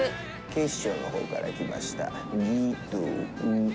警視庁のほうから来ました、